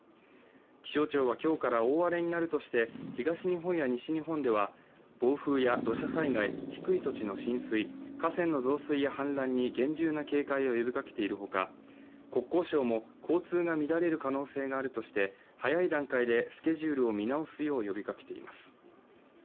気象庁は今日から大荒れになるとして東日本や西日本では暴風や土砂災害、低い土地の浸水河川の増水や氾濫に厳重な警戒を呼びかけているほか国交省も交通が乱れる可能性があるとして早い段階でスケジュールを見直すよう呼びかけています。